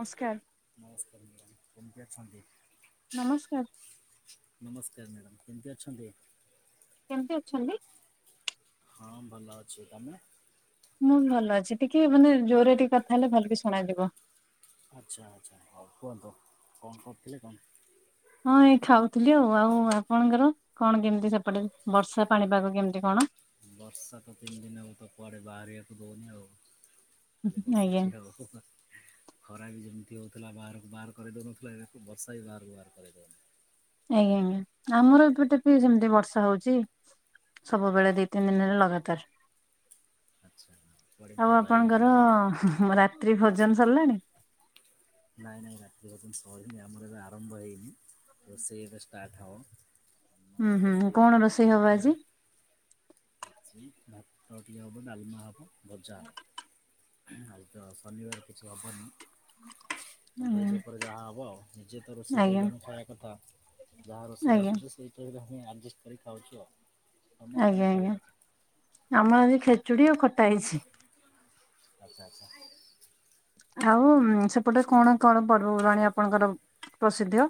ନମସ୍କାର ନମସ୍କାର ମ୍ୟାଡ଼ାମ କେମତି ଅଛନ୍ତି? ନମସ୍କାର ନମସ୍କାର ମ୍ୟାଡ଼ାମ କେମିତି ଅଛନ୍ତି? କେମତି ଅଛନ୍ତି? ହଁ ଭଲ ଅଛି ତମେ ମୁଁ ବି ଭଲ ଅଛି ଟିକେ ମାନେ ଜୋରରେ ଟିକେ କଥା ହେଲେ ଭଲ କି ଶଣାଯିବ। ଆଚ୍ଛା ଆଚ୍ଛା ହଉ କୁହନ୍ତୁ କଣ କରୁଥିଲେ କଣ? ହଁ ଏଇ ଖାଉଥିଲି ଆଉ ଆଉ ଆପଣଙ୍କର କଣ କେମିତି ସେପଟେ ବର୍ଷା ପାଣିପାଗ କେମିତି କଣ ବର୍ଷାକୁ ତିନି ଦିନ ହେବ ତ ପରେ ବାହାରିବାକୁ ଦଉନି ଆଉ ଖାଲି ଆଜ୍ଞା ବସୁଛି ଆଉ। ଖରା ବି ଯେମିତି ହେଉଥିଲା ବାହାରକୁ ବାହାର କରିଦଉନଥିଲା ଏବେ ବର୍ଷା ବି ବାହାରକୁ ବାହାର କରେଇ ଦେଉନି। ଆଜ୍ଞା ଆଜ୍ଞା ଆମର ଏପଟେ ବି ସେମିତି ବର୍ଷା ହଉଛି ସବୁବେଳେ ଦି ତିନି ଦିନ ହେଲା ଲଗାତାର ଆଚ୍ଛା କୁଆଡ଼େ ବି ତ ଆଉ ଯାଇ ବି ଆପଣଙ୍କର ହଉନି। ରାତ୍ରି ଭୋଜନ ସରିଲାଣି? ନାଇ ନାଇ ଆ ରାତ୍ରି ଭୋଜନ ସରିନି ଆମର ଏବେ ଆରମ୍ଭ ହେଇନି। ରୋଷେଇ ଏବେ ଷ୍ଟାର୍ଟ ହବ। ଆମର ହୁଁ ହୁଁ ରୋଷେଇ କଣ ସରିଲେ ରୋଷେଇ ହବ ଆଜି? ଖାଇଦେବା। ଭାତ ଟିକେ ହବ ଡାଲମା ହବ ଭଜା ହବ। ଆଉତ ଶନିବାର କିଛି ହବନି ତ ଆଜ୍ଞା ଭେଜ ଉପରେ ଯାହା ହବ ନିଜେ ତ ରୋଷେଇ ଆଜ୍ଞା କରୀକି ଆମେ ଖାଇବା କଥା। ଯାହା ରୋଷେଇ ଆଜ୍ଞା ଆସୁଛି ସେଇ ଟାଇରେ ହିଁ ଆଡ଼ଜଷ୍ଟ କରିକି ଖାଉଛୁ ଆଉ। ତମର କଣ ଆଜ୍ଞା ଖାଇବା ଆଜ୍ଞା ଅଛି? ଆମର ଆଜି ଖେଚୁଡି ଆଉ ଖଟା ହେଇଛି। ଆଚ୍ଛା ଆଚ୍ଛା ଆଉ ସେପଟେ କଣ କଣ ପର୍ବପର୍ବାଣୀ ଆପଣଙ୍କର ପ୍ରସିଦ୍ଧ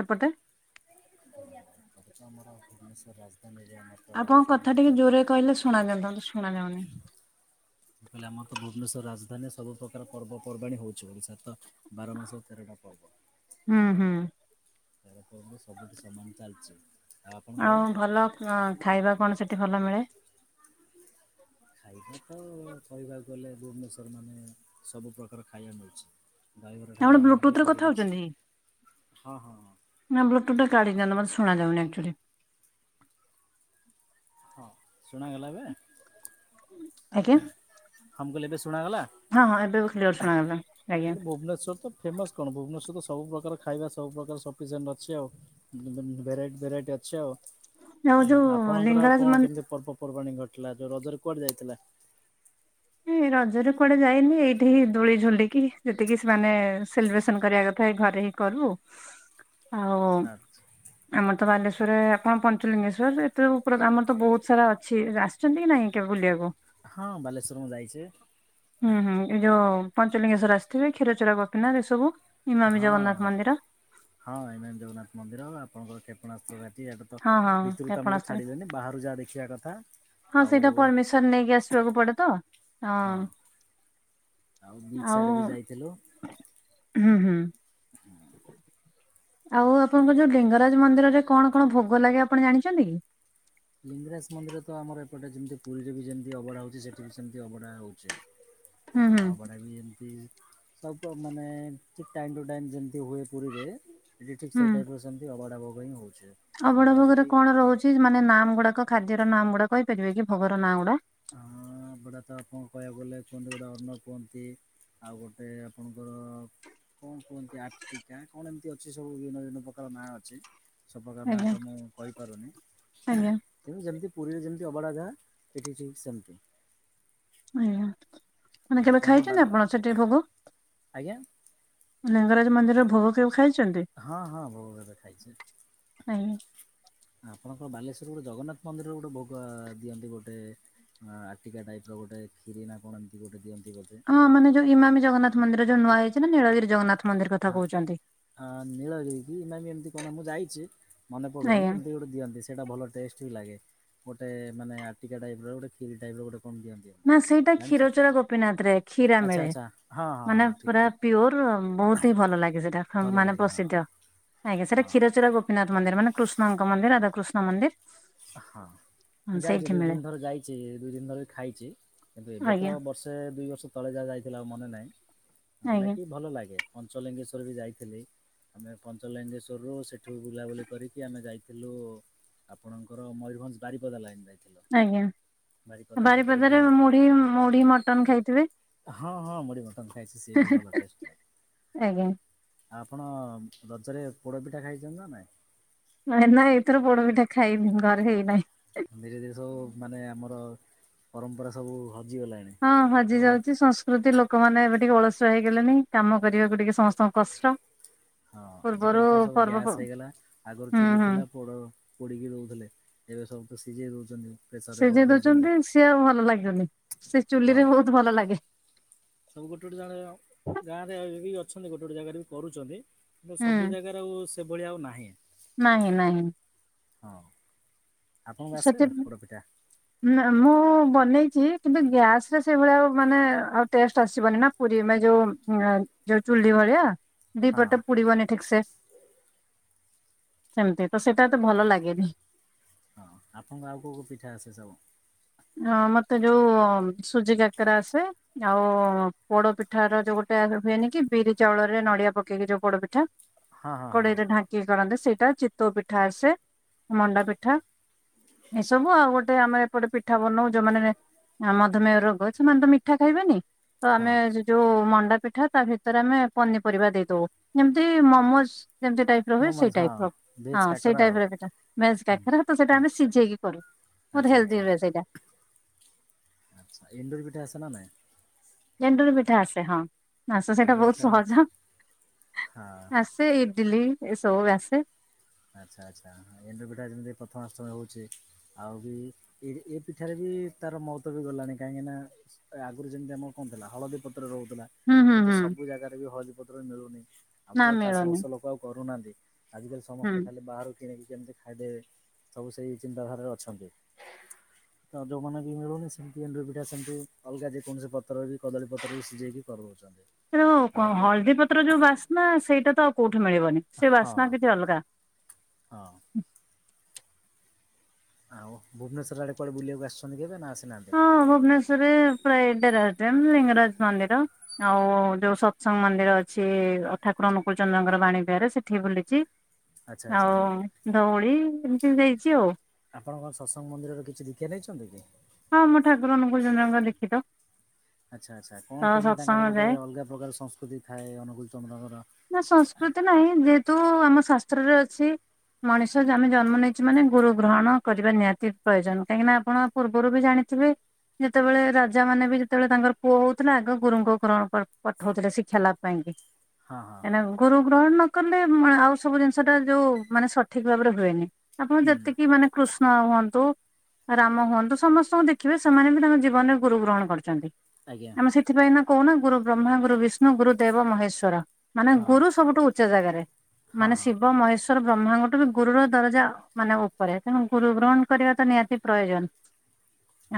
ସେପଟେ ପଦଚମରା ଭୁବନେଶ୍ୱର ରାଜଧାନ ଧାନୀ ରେ ମ ଆପଣଙ୍କ କଥା ଟିକେ ଜୋରରେ କହିଲେ ଶୁଣାଯାନ୍ତା ଶୁଣାଯାଉନି ମୁଁ କହିଲେ ଆମ ତ ଭୁବନେଶ୍ୱର ରାଜଧାନୀରେ ସବୁପ୍ରକାର ପର୍ବପର୍ବାଣି ହେଉଛି ଓଡ଼ିଶାରେ ତ ବାର ମାସର ତେରଟା ପର୍ବ। ହୁଁ ହୁଁ ତେର ପର୍ବ ସବୁଠି ସମାନ ଚାଲିଛି। ଆପଣଙ୍କ ଆଉ ଆଡ଼େ? ଭଲ ଖାଇବା କଣ ସେଠି ଭଲ ମିଳେ? ଖାଇବା ତ କହିବାକୁ ଗଲେ ଭୁବନେଶ୍ଵର ମାନେ ସବୁ ପ୍ରକାର ଖାଇବା ମିଳୁଛି ଦହିବରା ଠାକୁ ଆପଣ ଆରମ୍ଭ ବ୍ଲୁଟୁଥ କରି ରେ କଥା ହଉଛନ୍ତି? ସବୁକିଛି ହଁ ହଁ ହଁ ନା ବ୍ଲୁଥୁଥ ଟା କାଢିଦିଅନ୍ତୁ ମତେ ଶୁଣାଯାଉନି ଆକ୍ଚୁଆଲି ହଁ ଶୁଣାଗଲା ଏବେ ଆଜ୍ଞା ହଁ ମୁଁ କହଲି ଏବେ ଶୁଣାଗଲା ହଁ ହଁ ଏବେ ବୋ କ୍ଲିଆର ସୁଣାଗଲା। ମୁଁ କହିଲି ଭୁବନେଶ୍ୱର ତ ଫେମଶ୍ କଣ ଭୁବନେଶ୍ୱର ତ ସବୁ ପ୍ରକାର ଖାଇବା ସବୁ ପ୍ରକାର ସଫିସିଏଣ୍ଟ ଅଛି ଆଉ ଭେରାଇଟ୍ ଭେରାଇଟ୍ ଅଛି ଆଉ ଆଉ ଯୋଉ ଆପଣଙ୍କ ର ଆଉ ଲିଙ୍ଗରାଜ କଣ? ପର୍ବାଣୀ ଘଟିଲା ତ ରଜରେ କୁଆଡେ ଯାଇଥିଲେ? ଏଇ ରଜରେ କୁଆଡେ ଯାଏନି ଘରେ ହିଁ। କରିବୁ? [inaudible] ଆ ଆଚ୍ଛା। ଆମର ତ ବାଲେଶ୍ୱର ର ପଞ୍ଚେଲିଙ୍ଗେଶ୍ୱର୍ ଆଉ ବହୁତ୍ ସାରା ଅଛି ରାସ୍ ଅଛନ୍ତି କି ନାଇଁ କେବେ ବୁଲିବାକୁ? ହଁ ବାଲେଶ୍ୱର ମା ଯାଇଛ। ହୁଁ ହୁଁ ଏଇ ଯୋଉ ପଞ୍ଚଲିଙ୍ଗେଶଵର ଆସିଥିବେ କ୍ଷୀର ଚୋରା ଗପନା ଏ ସବୁ ହଁ ହଁ ଏଇମ ଜଗନ୍ନାଥ ମନ୍ଦିର ଆପଣଙ୍କର କେତେ କ୍ଷଣାଟା ତ ହଁ ହଁ ଭିତରୁ ଆପଣ ତମକୁ ଆସିଥିବେ ଛାଡିଦେନି ବାହାରୁ ଯାହା ଦେଖିବା କଥା। ହଁ ଆଉ ସେଇଟା ପରମିସନ ନେଇକି ଆସିବାକୁ ପଡେ ତ ହଁ। ଆଉ ବିଚ ଆଡେ ବି ଯାଇଥିଲୁ ହଁ। ହୁଁ ହୁଁ ଆଉ ଆପଣଙ୍କ ଯୋଉ ଡେଙ୍ଗରାଜ ମନ୍ଦିରରେ କଣ କଣ ଭୋଗ ଲାଗେ ଆପଣ ଜାଣିଛନ୍ତି କି? ଲିଙ୍ଗରାଜ ମନ୍ଦିର ତ ଆମର ଏପଟେ ଯେମିତି ପୁରୀରେ ବି ଯେମିତି ଅବ଼ାଉଛି ସେଠି ବି ସେମିତି ଅଭଢା ହେଉଛି। ହୁଁ ହୁଁ ବଡ଼ ବି ଏମିତି ସବୁ ମାନେ ଠିକ୍ ଟାଇମ୍ ଟୁ ଟାଇମ୍ ଯେମିତି ହୁଏ ପୁରୀରେ ଏଠି ଠିକ୍ ସେଇ ଟାଇପ୍ରୁ ସେମିତି ଅବାଢା ଭୋଗ ହିଁ ହଉଛି। ଅବଡ ଭୋଗରେ କଣ ରହୁଛି ମାନେ ନାମ ଗୁଡାକ ଖାଦ୍ୟର ନାାମ ଗୁଡାକ କହିପାରିବେ କି ଭୋଗର ନାଁ ଗୁଡା? ହଁ ବଡ଼ା ତ ଆପଣଙ୍କୁ କହିବାକୁ ଗଲେ କୁହନ୍ତି ଗୋଟେ ଅର୍ଣ କୁହନ୍ତି ଆଉ ଗୋଟେ ଆପଣଙ୍କର କଣ କୁ ସବୁ ପ୍ରକାର ନା ମୁଁ ଆଜ୍ଞା ତମକୁ କହିପାରୁନି। ଆଜ୍ଞା ତେଣୁ ଯେମିତି ପୁରୀରେ ଯେମିତି ଅବଢା ଗାଁ ଠିକ୍ ସେମିତି। ଆଜ୍ଞା ମାନେ କେବେ ଆପଣଙ୍କ ବାଲି ଖାଇଛନ୍ତି ଆପଣ ସେଠି ଆଜ୍ଞା ଲିଙ୍ଗରାଜ୍ ମନ୍ଦିର ଭୋଗ କେବେ ଖାଇଛନ୍ତି? ହଁ ହଁ ବୋଉ ଏବେ ଖାଇଛି। [unintelligible] ଆପଣ କଣ ବାଲେଶ୍ୱର ଆ ହଁ ହଁ ସେଇଟା ଭଲ ଟେଷ୍ଟ ବି ଲାଗେ ଗୋଟେ ଆଜ୍ଞା ମାନେ ଆଟିକା ଟାଇପ୍ ର ଗୋଟେ ଖିରି ଟାଇପ୍ ର ଗୋଟେ କଣ ଦିଅନ୍ତି। ନା ଏମିତି। ସେ ଜାଣିଛୁ ପିଓର ବହୁତ୍ ଆଚ୍ଛା ଆଚ୍ଛା ହଁ ହଁ ହଁ ଠିକ୍ ଠିକ୍ ହି ଭଲ ଲାଗେ ସେଟା। ଭଲ ଲାଗେ ହଁ ହଁ। ନାଥ୍ ମନ୍ଦି ହଁ ମୁଁ ଯାଇଛି ସେ ଦୁଇ ମିଳେ। ଆଜ୍ଞା ବର୍ଷ ତଳେ ଯାହା ଯାଇଥିଲା ଆଉ ମନେନାହିଁ। ଆଜ୍ଞା ଅନେକି ଭଲଲାଗେ। ପଞ୍ଚଲିଙ୍ଗେଶ୍ୱର ବି ଯାଇଥି ପିଲୁ [unintelligible] ନାଇଁ ବାରିପଦା ସେପଟେ ଭୀମ ହଁ ହଁ ମୁଢ଼ି ମଟନ ଖାଇଛି ସିଏ ବି ଭଲ ଆଜ୍ଞା। ଆପ ନା ଏଇଥର ପୋଡ ପିଠା ଖାଇନି ଘରେ ହେଇନାହିଁ। ଧୀରେ ଧୀରେ ସବୁ ହଁ ହଜି ଆଉ ଯାଉଛି ସଂସ୍କୃତି ଲୋକମାନେ ଏବେ ଟିକେ ଅଳସୁଆ ହେଇଗଲେଣି କାମ କରିବାକୁ ଟିକେ ସମସ୍ତଙ୍କୁ କଷ୍ଟ ହଁ ପୂର୍ବରୁ ଆଜିକାଲି ତ ସବୁ ପର୍ବ ଗ୍ୟାସ୍ ହେଇଗଲା ଆଗରୁ ହୁଁ ଚୁଲି ହୁଁ ଥିଲା ପୋଡ଼ ପୋଡ଼ିକି ଦେଉଥିଲେ ଏବେ ସବୁ ତ ସିଜେଇ ଦୋଉଛନ୍ତି। ସିଜେଇ ଦୋଉଛନ୍ତି ସିଏ ଆଉ ଭଲ ଲାଗୁନି ସେ ହଁ ଚୁଲିରେ ବୋହୁତ ଭଲ ଲାଗେ। ସବୁ ଗୋଟେ ଗୋଟେ [unintelligible] ଗାଁ ରେ ଯେତିକି ବି ଅଛନ୍ତି ଗୋଟେ ଗୋଟେ ଜାଗାରେ ବି କରୁଛନ୍ତି। କିନ୍ତୁ ହୁଁ ସବୁ ଜାଗାରେ ଆଉ ସେଭଳିଆ ଆଉ ନାହିଁ। ନାହିଁ ନାହିଁ। ହଁ ଆଉପଣଙ୍କୁ ଆସେ ପୋଡ଼ ପିଠା? ନା ମୁଁ ବନେଇଛି କିନ୍ତୁ ଗ୍ୟାସ ରେ ସେଇଭଳିଆ ଆଉ ମାନେ ଆଉ ଟେଷ୍ଟ ଆସିବନି ନା। ପୁରୀ ମେ ଯୋ ଉଁ ଆଁ ଚୁ ଚୁଲି ଭଳିଆ ଦି ହଁ ପଟେ ପୋଡ଼ି ବନି ଠିକ୍ ସେ। ସେମ୍ ତି ତ ସେଟା ଏତେ ଭଲ ଲାଗେନି। ହଁ ଆପଣଙ୍କୁ ଆଉ କୋଉ କୋଉ ପିଠା ଆସେ ସବୁ? ହଁ ମତେ ଯୋଉ ସୁଜି କାକେରା ଆସେ। ଜାଉ ପୋଡ଼ ପିଠାର ଯୋଉ ଗୋଟେ ଆ ହ ହୁଏନି କି ବିରି ଚାଉଳରେ ନଡ଼ିଆ ପକେଇକି ଯୋଉ ପୋଡ଼ ପିଠା। ହଁ ହଁ ହଁ କଡ଼େଇରେ ଢାଙ୍କିକି କରନ୍ତି ସେଇଟା ଚିତୋଉ ପିଠା ଆସେ ମଣ୍ଡା ପିଠା। ଏଇ ସବୁ ଆଉ ଆଉ ଗୋଟେ ଆମର ଏପଟେ ପି ଠା ବନଉ ଯୋଉମାନେ ଅ ମଧୁମେୟ ରୋଗ ଅଛି ସେମାନେ ତ ମିଠା ଖାଇବେନି ତ ହଁ ଆମେ ଜ୍ ଯୋଉ ମଣ୍ଡା ପିଠା ତା ଭିତରେ ଆମେ ପନିପରିବା ଦେଇ ଦୋଉ ଯେମିତି ମୋମୋସ୍ ଯେମିତି ଟାଇପ୍ ରହେ ସେଇ ମୋମୋଜ ହଁ ଟାଇପ୍ ର ଭେଜ୍ ହଁ କାକରା ଟାଇପ୍ ଆଉ ର ପିଠା ନାଇଁ ଶ୍ ହୁଁ, କାକେରାକୁ ତ ସେଟା ଆମେ ସିଜେଇକି କରୁ। ଆଚ୍ଛା। ଦିବେ ସେଇଟା। ଆଛା ଏଣ୍ଡୁରି ପିଠା ଆସେ ନା ନାଇଁ? ଏଣ୍ଡୁରି ପିଠା ଆସେ ହଁ ଆସ ସେଇଟା ଏଣ୍ଡୁରି ବହୁତ ପିଠା ସହଜ ହଁ ଆସ୍ ତେ ଇଡଲି ଏ ସବୁ ବି ଆସେ। ଆଚ୍ଛା ଆଚ୍ଛା ଏଣ୍ଡୁରି ପିଠାରେ ଯେମିତି ପ୍ରଥମାଷ୍ଟମୀ ହୋଉଛି। ଆଉ ବି ଏହି ଏ ପିଠାରେ ବି ତାର ମହତ୍ଵ ବି ଗଲଣିି କାହିଁକି ନା ଆଗରୁ ଯେମିତି ଆମର କଣ ଥିଲା ହଳଦୀ ପତ୍ର ରହୁଥିଲା। ହୁଁ ହୁଁ କିନ୍ତୁ ହୁଁ ସବୁ ଜାଗାରେ ବି ହଳଦୀ ପତ୍ର ମିଳୁନି ଆଉ ନା ତ ଚାଷ ମିଳୁନି ବାସ ଲୋକ ଆଉ କରୁନାହାନ୍ତି। ଆଜିକାଲି ହୁଁ। ସମସ୍ତେ ଖାଲି ବାହାରୁ କିଣିକି କେମିତି ଖାଇଦେବେ ସବୁ ସେଇ ଚିନ୍ତାଧାରାରେ ଅଛନ୍ତି। ହ ତ ଯେଉମାନଙ୍କୁ ବି ମିଳୁନି ସେମିତି ଏଣ୍ଡୁରି ପିଠା ସେମିତି ଅଲଗା ଯେକୌଣସି ପତ୍ର ବି କଦଳୀ ପତ୍ରରେ ବି ସିଝେଇକି କରି ଦୋଉଛନ୍ତି। ହେଲେ କଣ ହବ ହଳଦୀ ପତ୍ର ଯୋଉ ବାସ୍ନା ସେଇଟା ତ ଆଉ କୋଉଠୀ ମିଳିବନି ସେ ହଁ ବାସ୍ନା କିଛି ଅଲଗା। ହଁ। ଆଉ ଭୁବନେଶ୍ୱର ଆଡ଼େ କୁଆଡ଼େ ବୁଲିବାକୁ ଆସିଛନ୍ତି କେବେ ନା ଆସିନାହାନ୍ତି? ଯୋଉ ଟାରେ ପ୍ରାୟେ [unintelligible] ଲିଙ୍ଗରାଜ ମନ୍ଦିର। ଆଉ ଯୋଉ ସତ୍ସଙ୍ଗ ମନ୍ଦିର ଅଛି ଅ ଠାକୁର ଅନୁକୂଳ ଚନ୍ଦ୍ରଙ୍କର ବାଣୀ ବିିହାର୍ ରେ ସେଠି ବି ବୁଲିଛି। ଆଚ୍ଛା ଆଚ୍ଛା ଆଉ ଧଉଳି ଏମିତି ଯାଇଛି ଆଉ। ଆପଣଙ୍କଣ ସତ୍ସଙ୍ଗ ମନ୍ଦିର ରେ କିଛି ଦୀକ୍ଷା ନେଇଛନ୍ତି କି? ହଁ ମୁଁ ଠାକୁର ଅନୁଗୁଳ ଚନ୍ଦ୍ରଙ୍କ ଦୀକ୍ଷିତ। ଆଚ୍ଛା ଆଚ୍ଛା କଣ ତ କେମିତି ତାଙ୍କର ସତ୍ସଙ୍ଗ ଗୋଟେ ଯାଏ ଅଲଗା ପ୍ରକାର ସଂସ୍କୃତି ଥାଏ ଅନୁଗୁଳ ଚନ୍ଦ୍ରଙ୍କର? ନା ସଂସ୍କୃତି ନାହିଁ ଯେହେତୁ ଆମ ଶାସ୍ତ୍ରରେ ଅଛି ମଣିଷ ଜାମେ ଜନ୍ମ ନେଇଛ ମାନେ ଗୁରୁ ଗ୍ରହଣ କରିବା ନିହାତି ପ୍ରଏଜନ୍ କାହିଁକିନା ଆପଣ ପୂର୍ ବୁରୁ ବି ଜାଣିଥିବେ। ଯେତେବେଳେ ରାଜା ମାନେ ବି ଯେତେବେଳେ ତାଙ୍କର ପୁଅ ହଉଥିଲା ଆଗ ଗୁରୁଙ୍କୁ ଗ୍ରହଣ ପାଇଁ ପଠଉଥିଲେ ଶିକ୍ଷା ଲାଭ ପାଇଁ କି। ହଁ ହଁ ଏନାଗୁ ଗୁରୁ ଗ୍ରହଣ ନକଲେ ମା ଆଉ ସବୁ ଜିନିଷଟା ଯୋଉ ମାନେ ସଠିକ୍ ଭାବରେ ହୁଏନି। ଆପଣ ହୁଁ ଯେତିକି ମାନେ କୃଷ୍ଣ ହୁଅନ୍ତୁ ରାମ ହୁଅନ୍ତୁ ଶ୍ ସମସ୍ତଙ୍କୁ ଦେଖିବେ ସେମାନେ ବି ତାଙ୍କ ଜୀବନରେ ଗୁରୁ ଗ୍ରହଣ କରଛନ୍ତି। ଆଜ୍ଞା। ଆମ ସେଥି ପାଇଁ ନା କହୁନା ଗୁରୁ ବ୍ରହ୍ମା ଗୁ ରୁ ବିଷ୍ଣୁ ଗୁରୁ ଦେବ ମହେଶ୍ଵର ମାନେ ହଁ ଗୁରୁ ସବୁଠୁ ଉଚ୍ଚ ଜାଗାରେ। ହଁ ମାନେ ହଁ ଶିବ ମହେଶ୍ ତାର ବ୍ରହ୍ମାଙ୍କ ଠାରୁ ଗୁରୁର ଦରଜା ମାନେ ଉପରେ ତେଣୁ ଗୁରୁ ଗ୍ରହଣ କରିବା ତ ନିହାତି ପ୍ରୟୋଜନ।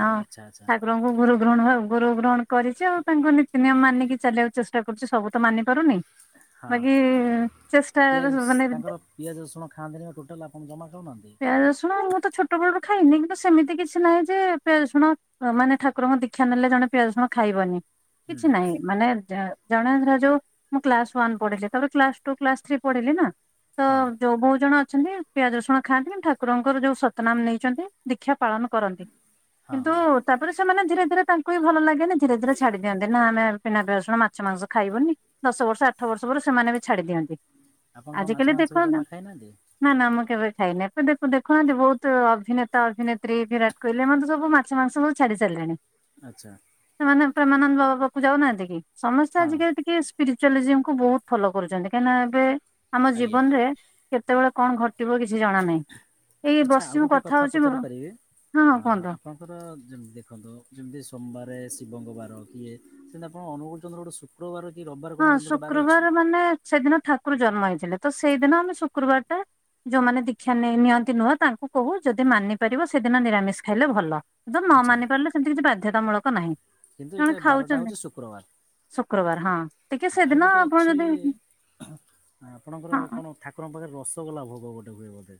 ହଁ ଆଚ୍ଛା ଆଚ୍ଛା ଠାକୁ ରଙ୍କୁ ଗୁରୁ ଗ୍ରହଣ ଆଉ ଗୁରୁ ଗ୍ରହଣ କରିଛି ଆଉ ତାଙ୍କୁ ନୀତି ନିିୟମ ମାନିକି ଚାଲିବାକୁ ଚେଷ୍ଟା କରୁଛି ସବୁ ତ ମାନି ପାରୁନି। ହଁ ବାକି ଚେଷ୍ଟା ପିଆଜ ମାନେ ତାଙ୍କର ପିଆଜ ରସୁଣ ଖାଆନ୍ତିନି ବା ଟୋଟାଲ ଆପଣ ଜମା ଖାଉନାହାନ୍ତି? ପିଆଜ ରସୁଣ ମୁଁ ତ ଛୋଟ ବେଳୁରୁ ଖାଇନି କିନ୍ତୁ ସେମିତି କି କିଛି ନାହିଁ ଯେ ପିଆଜ ରସୁଣ ଅ ମାନେ ଠାକୁରଙ୍କ ଦୀକ୍ଷା ନେଲେ ଜଣେ ପିଆଜ ରସୁଣ ଖାଇବନି। ହୁଁ କିଛି ନାହିଁ ମାନେ ଯାହା ଜଣେ ଧରା ଯୋଉ ମୁଁ କ୍ଲାସ ୱାନ ପଢିଲି ତାପରେ କ୍ଲାସ ଟୁ, କ୍ଲାସ୍ ଥ୍ରୀ ପଢିଲି ନା। ତ ହଁ ଯୋଉ ବହୁତ ଜଣ ଅଛନ୍ତି। ପିଆଜ ରସୁଣ ଖାଆନ୍ତି କିନ୍ତୁ ଠାକୁରଙ୍କର ଯୋଉ ସତନାମ ନେଇଛନ୍ତି ଦୀକ୍ଷା ପାଳନ କରନ୍ତି ହଁ କିନ୍ତୁ। ହଁ ତାପରେ ସେମାନେ ଧୀରେ ଧୀରେ ତାଙ୍କୁ ବି ଭଲ ଲାଗେନି ଧୀରେ ଧୀରେ ଛାଡି ଦିଅନ୍ତି ନା ଆମେ। ବିନା ପିଆଜ ରସୁଣ ମାଛ, ମାଂସ ଖାଇବନି ଦଶ ବର୍ଷ, ଆଠ ବର୍ଷ ପରେ ସେମାନେ ବି ଛାଡି ଦିଅନ୍ତି। ଆପଣ କଣ ମାଛ, ଆଜିକାଲି ମାଂସ ବି ଦେଖ ଜମା ଖାଇନାହାନ୍ତି? ନା ନା ମୁଁ କେବେ ଖାଇନି ଆପ ଦେଖ ଦେଖୁନାହାନ୍ତି ବହୁତ ଅଭିନେତା ଅଭିନେତ୍ରୀ। ବିରାଟ କୋହଲି ଏମାନେ ତ ସବୁ ମାଛ, ମାଂସ ସବୁ ଛାଡ଼ି ସାରିଲେଣି। ଆଚ୍ଛା। ସେମାନେ ପ୍ରେମାନନ୍ଦ ବାବା ପାଖକୁ ଯାଉନାହାନ୍ତି କି ସମସ୍ତେ ହଁ ଆଜିକାଲି ଟିକେ ସ୍ପିରିଚୁଆଲିଜିମକୁ ବହୁତ ଫଲୋ କରୁଛନ୍ତି କାହିଁକି ନା ଏବେ ଆମ ଆଜ୍ଞା ଜୀବନରେ। କେତେବେଳେ କଣ ଘଟିବ କିଛି ଜଣା ନାହିଁ। ଏଇ ଆଚ୍ଛା ଆଉ ବସିଛି ମୁଁ ଗୋଟେ କଥା ହଉଛି ହଁ ପଚାରି ପାରିବି? ହଁ ଆ ଆପଣଙ୍କର ଯେମ ଦେଖନ୍ତୁ ଯେମିତି ସୋମବାରେ ଶିବଙ୍କ ବାର କି ଇଏ ସେମିତି ଆପଣ ଅନୁଗୁଳ ଚନ୍ଦ୍ର ଗୋଟେ ଶୁ ଶୁକ୍ର ବାର କି ରବିବାର କଣ ହଁ ଗୋଟେ ଏମିତି ଗୋଟେ ବାର ଶୁକ୍ରବାର ଅଛି? ମାନେ ସେଦିନ ଠାକୁର ଜନ୍ମ ହେଇଥିଲେ ତ ସେଇଦିନ ଆମେ ଶୁକ୍ରୁବାରଟା। ଯୋଉମାନେ ଦୀକ୍ଷା ନେଇ ନିଅନ୍ତି ନୁହଁ ତାଙ୍କୁ କହୁ ଯଦି ମାନି ପାରିବ ସେଦିନ ନିରାମିଷ ଖାଇଲେ ଭଲ। ଯୋ ନ ଆଚ୍ଛା ମାନି ପାରିଲେ ସେମିତି କିଛି ବାଧ୍ୟତାମୂଳକ ନାହିଁ। କିନ୍ତୁ ଜଣେ ଏଇଟା ବାରଟା ଖାଉଛନ୍ତି ହଉଛି ଶୁକ୍ରବାର। ଶୁକ୍ରବାର ହଁ ଟିକେ ହଁ ଆଉ ସେଦିନ ଗୋଟେ ଆପଣ ଅଛି ଯଦି ଆପଣଙ୍କର ହଁ କଣ? ଠାକୁରଙ୍କ ପାଖରେ ରସଗୋଲା ଭୋଗ ଗୋଟେ ହୁଏ ବୋଧେ?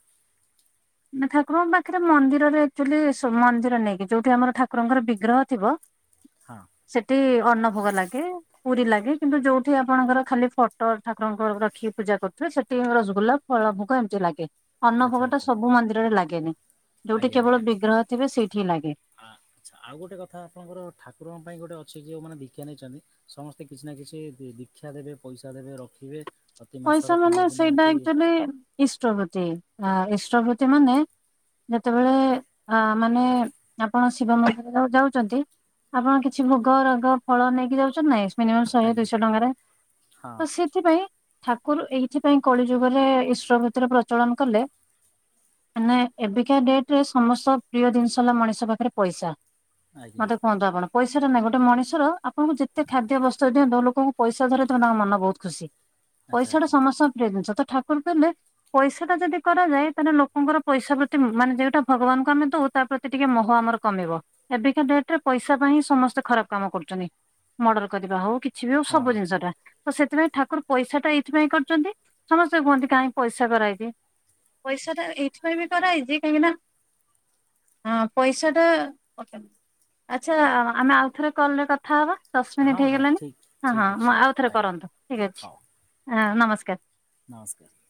ନା ଠାକୁରଙ୍କ ପାଖରେ ମନ୍ଦିରରେ ଆକ୍ଚୁଆଲି ସୋ ମନ୍ଦିର ନେଇକି ଯୋଉଠି ଆମର ଠାକୁରଙ୍କର ବିଗ୍ରହ ଥିବ। ହଁ। ସେଠି ଅନ୍ନଭୋଗ ଲାଗେ। ପୁରୀ ଲାଗେ କିନ୍ତୁ ଯୋଉଠି ଆପଣଙ୍କର ଖାଲି ଫଟୋ ଠାକୁରଙ୍କ ର-ରଖିକି ପୂଜା କରୁଥିବେ ସେଠି ରସଗୁଲା। ଫଳ ଭୋଗ ଏମିତି ଲାଗେ। ଆଚ୍ଛା ଅନ୍ନଭୋଗ ଟା ଆଚ୍ଛା ସବୁ ମନ୍ଦିରରେ ଲାଗେନି ଯୋଉଠି ଆଜ୍ଞା କେବଳ ଆଜ୍ଞା। ବିଗ୍ରହ ଥିବେ ସେଇଠି ଲାଗେ। ଆ ଆଚ୍ଛା ଆଉ ଗୋଟେ କଥା ଆପଣଙ୍କର ଠାକୁରଙ୍କ ପାଇଁ ଗୋଟେ ଅଛି ଯେଉମାନେ ଦିକ୍ଷା ନେଇଛନ୍ତି। ସମସ୍ତେ କିଛି ନା କିଛି ଦି-ଦିକ୍ଷା ଦେବେ ପଇସା ଦେବେ ରଖିବେ। ପ୍ରତି ପଇସା ମାସରେ ପନ୍ଦର ମାନେ ଦିନ ସେଇଟା ଏମିତି ଅକ୍ଚୂଆଲି ଇଷ୍ଟବୃତି ଆ ଇଷ୍ଟବୃତି ମାନେ। ଯେତେବେଳେ ଆ ମାନେ ଆପଣ ଶିବ ମନ୍ଦିର ଯା-ଯାଉଛନ୍ତି। ଆପଣ କିଛି ଭୋଗ ରାଗ ଫଳ ନେଇକି ଯାଉଛ ନାଇ ମିନିମମ ଶହେ ଆଜ୍ଞା ଦୁଇଶହ ଟଙ୍କାରେ ହଁ ତ ସେଥିପାଇଁ। ଠାକୁର ଏଇଥିପାଇଁ କଳି ଯୁଗରେ ଇଷ୍ଟବୃତିର ପ୍ରଚଳନ କଲେ। ମାନେ ଏବେକା ଡେଟରେ ସମସ୍ତ ପ୍ରିୟ ଜିନିଷ ହେଲା ମଣିଷ ପାଖରେ ପଇସା। ଆଜ୍ଞା ମତେ କୁହନ୍ତୁ ଆପଣ ପଇସା ଟା ନା ଗୋଟେ ମଣିଷର। ଆପଣଙ୍କୁ ଯେତେ ଖାଦ୍ୟବସ୍ତ୍ର ଦିଅନ୍ତୁ ଲୋକଙ୍କୁ ପଇସା ଧରେଇ ଦେବେ ତାଙ୍କ ମନ ବହୁତ ଖୁସି। ଆଚ୍ଛା ପଇସା ଟା ଆଚ୍ଛା ସମସ୍ତଙ୍କ ପ୍ରିୟ ଜିନଷ ତ ଠାକୁର କହିଲେ। ପଇସା ଟା ଯଦି କରାଯାଏ ତାହେଲେ ଲୋକଙ୍କର ପଇସା ପ୍ରତି ମ ମାନେ ଯେଉଟା ଭଗବାନଙ୍କୁ ଆମେ ଦଉ। ତା ପ୍ରତି ଟିକେ ମୋହ ଆମର କମିବ ଏବେକା ଡେଟରେ ପଇସା ପାଇଁ ହିଁ ସମସ୍ତେ ଖରାପ କାମ କରୁଛନ୍ତି। ମର୍ଡର କରିବା ହଉ କିଛି ବି ହଉ ହଁ ସବୁ ଜିନିଷ ଟା ତ ସେଥିପାଇଁ ଠାକୁର ପଇସା ଟା ଏଇଥିପାଇଁ କରୁଛନ୍ତି ସମସ୍ତେ କୁହନ୍ତି କାହିଁ ପଇସା କରାହେଇଛି। ପଇସା ଟା ଏଇଥିପାଇଁ ବି କରା ହେଇଛି କାହିଁକି ନା। ହଁ ପଇସାଟା ପକା ଆଚ୍ଛା ଆମେ ଆଉଥରେ କଲ୍ ରେ କଥା ହବା? ଦଶ ମିନିଟ୍ ହଁ ହଁ ହେଇଗଲାଣି ଠିକ୍ ହଁ ଠିକ୍ ହଁ ଅଛି ଆଉଥରେ ଆଜ୍ଞା କରନ୍ତୁ ଠିକ୍ ଅଛି ହଁ ନମସ୍କାର। ନମସ୍କାର୍।